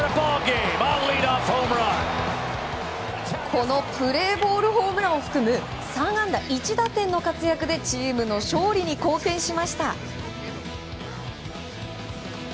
このプレーボールホームランを含む３安打１打点の活躍でチームの勝利に貢献しました。